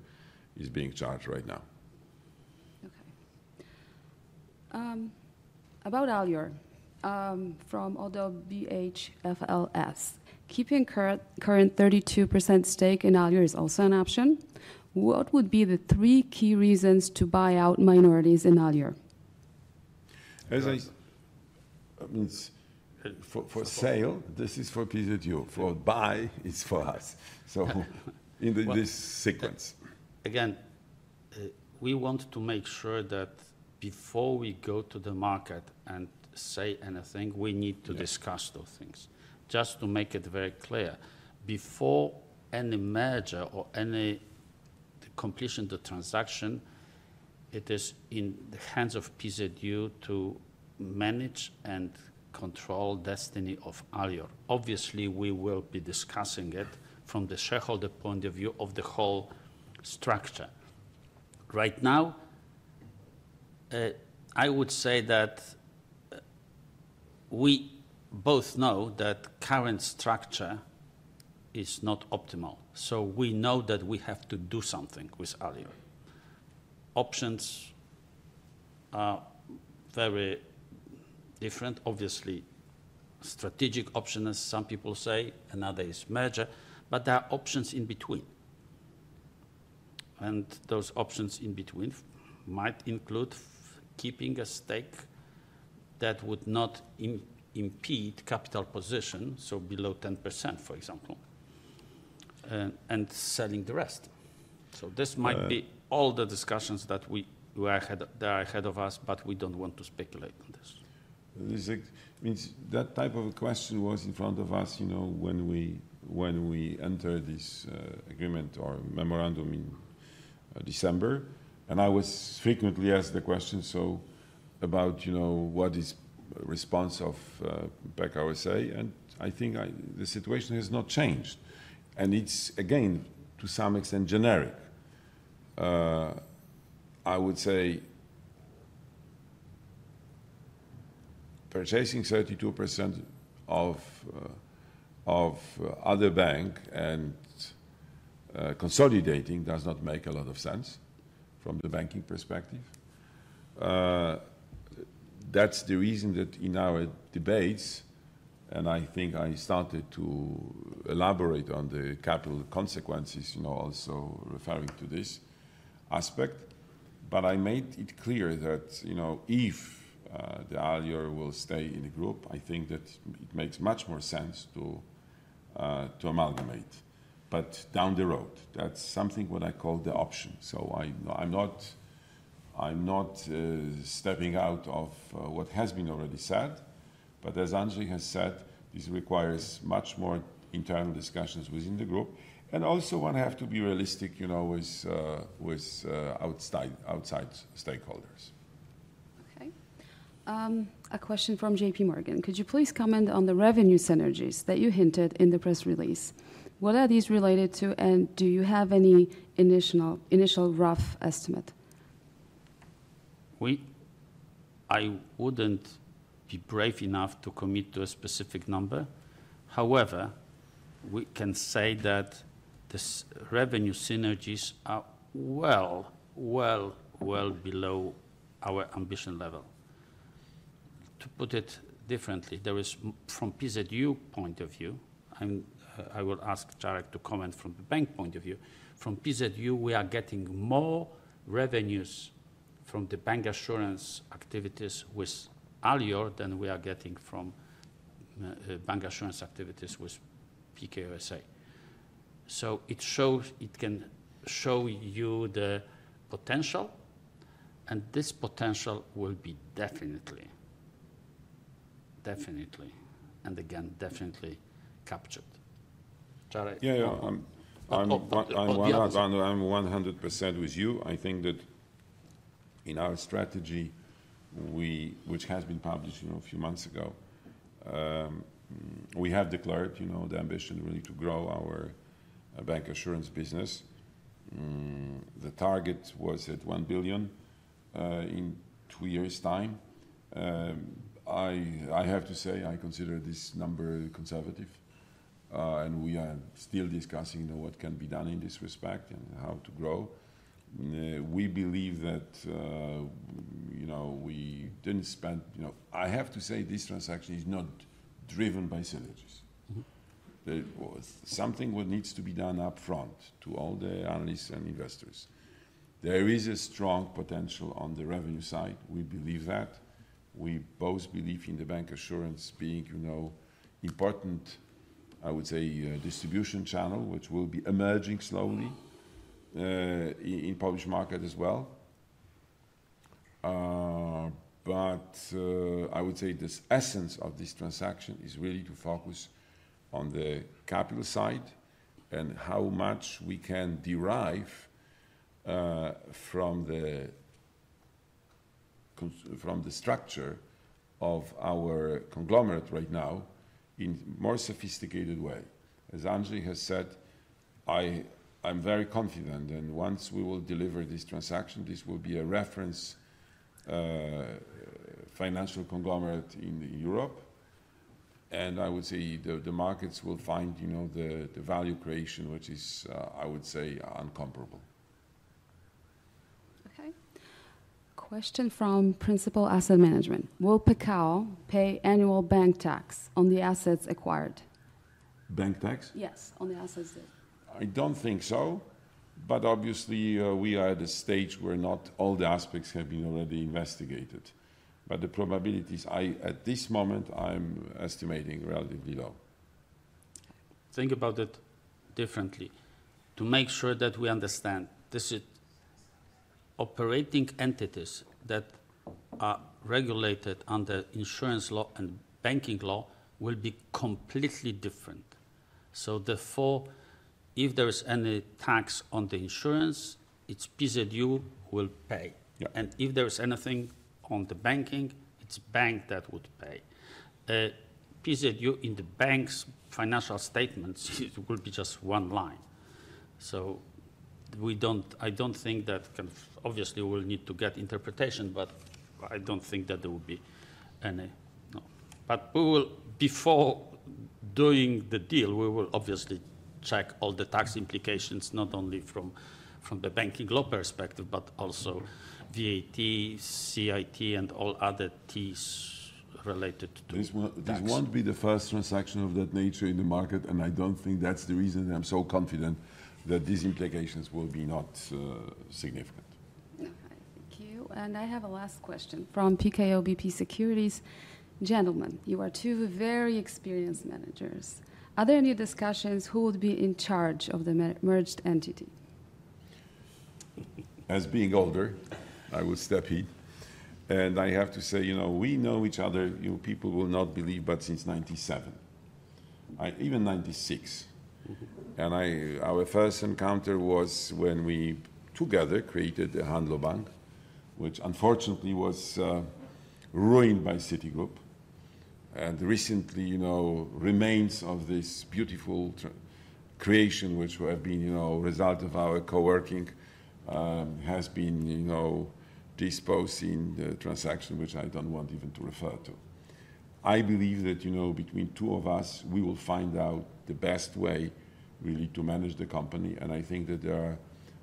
is being charged right now. Okay. About Alior from Odell BHFLS. Keeping current 32% stake in Alior is also an option. What would be the three key reasons to buy out minorities in Alior? For sale, this is for PZU. For buy, it's for us. In this sequence. Again, we want to make sure that before we go to the market and say anything, we need to discuss those things. Just to make it very clear, before any merger or any completion of the transaction, it is in the hands of PZU to manage and control the destiny of Alior. Obviously, we will be discussing it from the shareholder point of view of the whole structure. Right now, I would say that we both know that the current structure is not optimal. We know that we have to do something with Alior. Options are very different. Obviously, strategic options, as some people say, another is merger. There are options in between. Those options in between might include keeping a stake that would not impede capital position, so below 10%, for example, and selling the rest. This might be all the discussions that are ahead of us, but we do not want to speculate on this. That type of a question was in front of us when we entered this agreement or memorandum in December. I was frequently asked the question, "So about what is the response of Bank Pekao?" I think the situation has not changed. It is, again, to some extent, generic. I would say purchasing 32% of other bank and consolidating does not make a lot of sense from the banking perspective. That's the reason that in our debates, and I think I started to elaborate on the capital consequences, also referring to this aspect. I made it clear that if Alior will stay in the group, I think that it makes much more sense to amalgamate. Down the road, that's something I call the option. I'm not stepping out of what has been already said. As Andrzej has said, this requires much more internal discussions within the group. One has to be realistic with outside stakeholders. Okay. A question from JPMorgan. Could you please comment on the revenue synergies that you hinted in the press release? What are these related to, and do you have any initial rough estimate? I wouldn't be brave enough to commit to a specific number. However, we can say that the revenue synergies are well, well, well below our ambition level. To put it differently, from PZU point of view, I will ask Czarek to comment from the bank point of view. From PZU, we are getting more revenues from the bank assurance activities with Alior than we are getting from bank assurance activities with Bank Pekao. It can show you the potential. This potential will be definitely, definitely, and again, definitely captured. Czarek. Yeah, yeah. I'm 100% with you. I think that in our strategy, which has been published a few months ago, we have declared the ambition really to grow our bank assurance business. The target was at 1 billion in two years' time. I have to say, I consider this number conservative. We are still discussing what can be done in this respect and how to grow. We believe that we did not spend, I have to say, this transaction is not driven by synergies. There was something that needs to be done upfront to all the analysts and investors. There is a strong potential on the revenue side. We believe that. We both believe in the bank assurance being an important, I would say, distribution channel, which will be emerging slowly in the Polish market as well. I would say the essence of this transaction is really to focus on the capital side and how much we can derive from the structure of our conglomerate right now in a more sophisticated way. As Andrzej has said, I am very confident that once we will deliver this transaction, this will be a reference financial conglomerate in Europe. I would say the markets will find the value creation, which is, I would say, uncomparable. Okay. Question from Principal Asset Management. Will Pekao pay annual bank tax on the assets acquired? Bank tax? Yes, on the assets that. I do not think so. Obviously, we are at a stage where not all the aspects have been already investigated. The probabilities, at this moment, I am estimating relatively low. Think about it differently. To make sure that we understand, operating entities that are regulated under insurance law and banking law will be completely different. Therefore, if there is any tax on the insurance, it is PZU who will pay. If there is anything on the banking, it is the bank that would pay. PZU in the bank's financial statements will be just one line. I do not think that, obviously, we will need to get interpretation, but I do not think that there will be any. Before doing the deal, we will obviously check all the tax implications, not only from the banking law perspective, but also VAT, CIT, and all other T's related to taxes. This will not be the first transaction of that nature in the market. I do not think that is the reason that I am so confident that these implications will be not significant. Okay. Thank you. I have a last question from PKO BP Securities. Gentlemen, you are two very experienced managers. Are there any discussions who would be in charge of the merged entity? As being older, I would step in. I have to say, we know each other. People will not believe, but since 1997, even 1996. Our first encounter was when we together created the Handlowy Bank, which unfortunately was ruined by Citigroup. Recently, remains of this beautiful creation, which would have been a result of our co-working, has been disposed in the transaction, which I do not want even to refer to. I believe that between two of us, we will find out the best way really to manage the company. I think that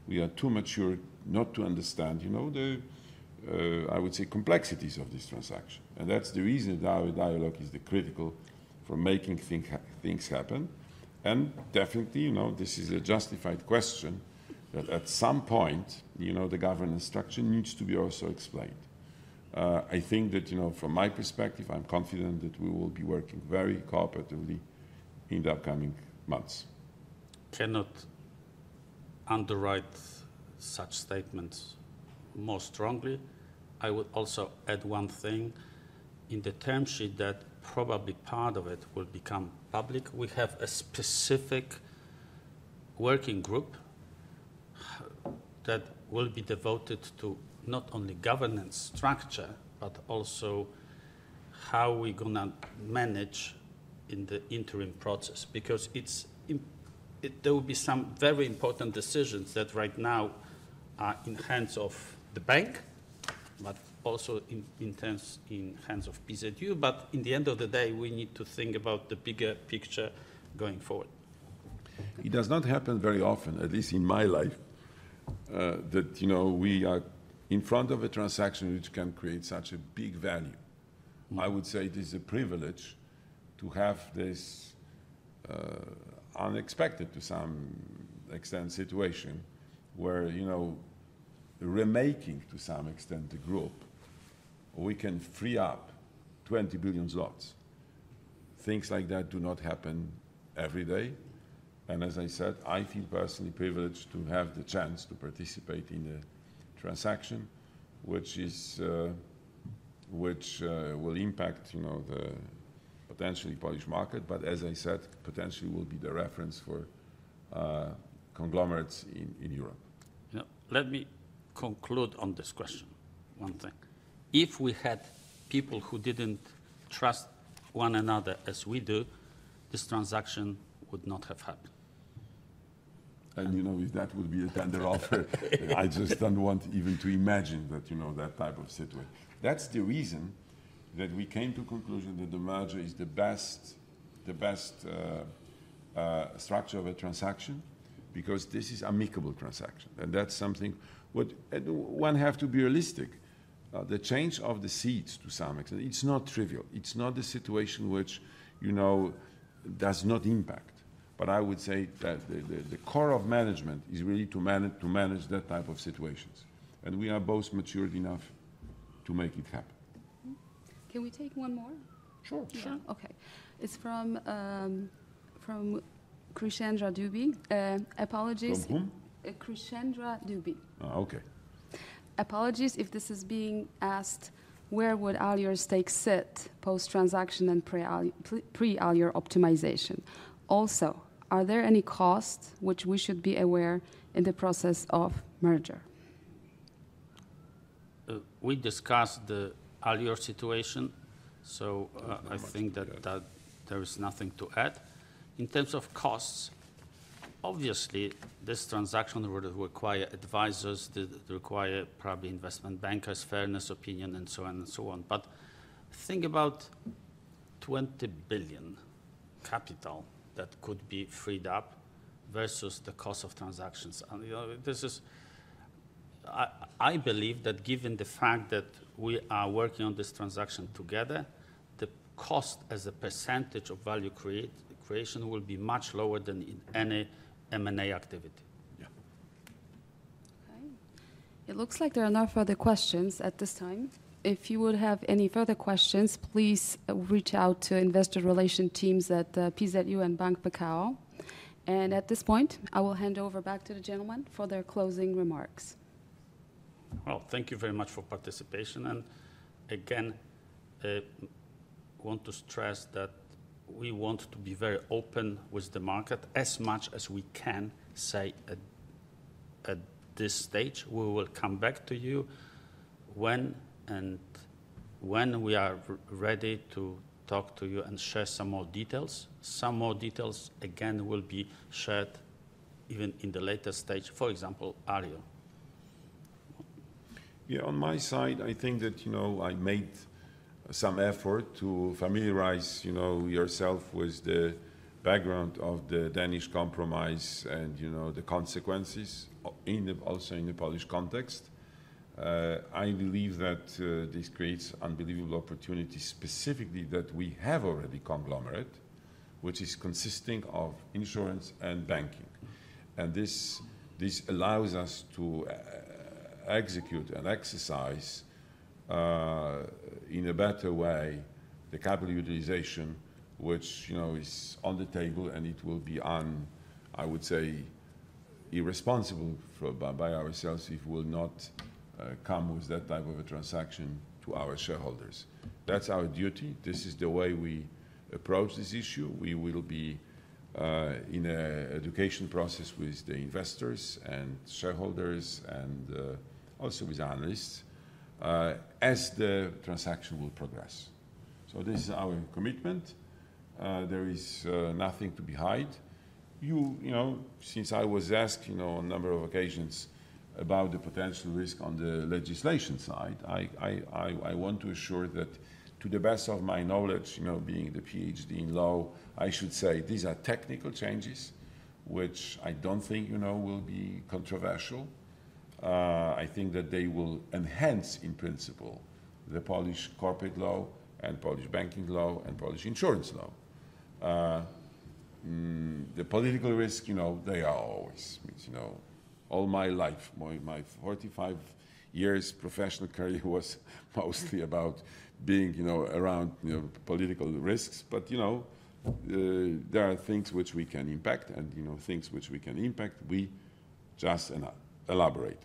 we are too mature not to understand, I would say, complexities of this transaction. That is the reason that our dialogue is critical for making things happen. Definitely, this is a justified question that at some point, the governance structure needs to be also explained. I think that from my perspective, I am confident that we will be working very cooperatively in the upcoming months. Cannot underwrite such statements more strongly. I would also add one thing. In the term sheet, that probably part of it will become public. We have a specific working group that will be devoted to not only governance structure, but also how we're going to manage in the interim process. Because there will be some very important decisions that right now are in the hands of the bank, but also in the hands of PZU. In the end of the day, we need to think about the bigger picture going forward. It does not happen very often, at least in my life, that we are in front of a transaction which can create such a big value. I would say it is a privilege to have this unexpected to some extent situation where remaking to some extent the group, we can free up 20 billion zlotys. Things like that do not happen every day. As I said, I feel personally privileged to have the chance to participate in a transaction which will impact the potentially Polish market. As I said, potentially will be the reference for conglomerates in Europe. Let me conclude on this question. One thing. If we had people who did not trust one another as we do, this transaction would not have happened. That would be a tender offer. I just do not want even to imagine that type of situation. That is the reason that we came to the conclusion that the merger is the best structure of a transaction because this is an amicable transaction. That is something one has to be realistic about. The change of the seats to some extent, it is not trivial. It is not a situation which does not impact. I would say that the core of management is really to manage that type of situations. We are both matured enough to make it happen. Can we take one more? Sure. Sure. Okay. It's from Krishendra Dubey. Apologies. Of whom? Krishendra Dubey. Okay. Apologies if this is being asked, where would Alior's stake sit post-transaction and pre-Alior optimization? Also, are there any costs which we should be aware in the process of merger? We discussed the Alior situation. I think that there is nothing to add. In terms of costs, obviously, this transaction would require advisors, require probably investment bankers, fairness opinion, and so on and so on. Think about 20 billion capital that could be freed up versus the cost of transactions. I believe that given the fact that we are working on this transaction together, the cost as a percentage of value creation will be much lower than in any M&A activity. Yeah. Okay. It looks like there are no further questions at this time. If you would have any further questions, please reach out to investor relation teams at PZU and Bank Pekao. At this point, I will hand over back to the gentlemen for their closing remarks. Thank you very much for participation. Again, I want to stress that we want to be very open with the market as much as we can say at this stage. We will come back to you when we are ready to talk to you and share some more details. Some more details, again, will be shared even in the later stage, for example, Alior. Yeah. On my side, I think that I made some effort to familiarize yourself with the background of the Danish Compromise and the consequences also in the Polish context. I believe that this creates unbelievable opportunities specifically that we have already conglomerate, which is consisting of insurance and banking. This allows us to execute and exercise in a better way the capital utilization, which is on the table, and it will be, I would say, irresponsible by ourselves if we will not come with that type of a transaction to our shareholders. That is our duty. This is the way we approach this issue. We will be in an education process with the investors and shareholders and also with analysts as the transaction will progress. This is our commitment. There is nothing to be hide. Since I was asked on a number of occasions about the potential risk on the legislation side, I want to assure that to the best of my knowledge, being the PhD in law, I should say these are technical changes, which I do not think will be controversial. I think that they will enhance, in principle, the Polish corporate law and Polish banking law and Polish insurance law. The political risk, they are always. All my life, my 45 years' professional career was mostly about being around political risks. But there are things which we can impact and things which we cannot impact. We just elaborated.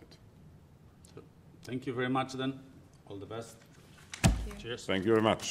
Thank you very much then. All the best. Cheers. Thank you very much.